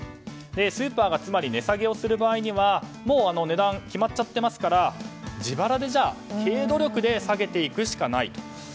スーパーがつまり値下げをする場合にはもう値段は決まっちゃっていますから自腹で、経営努力で下げていくしかないと。